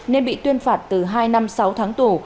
nên bị tuyên phạt từ hai năm sáu tháng tù